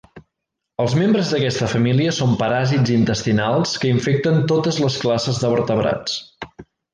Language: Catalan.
Els membres d'aquesta família són paràsits intestinals que infecten totes les classes de vertebrats.